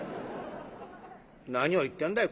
「何を言ってんだい